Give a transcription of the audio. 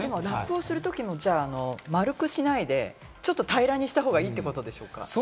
ラップをするときも丸くしないで、平らにした方がいいってことでしょうか？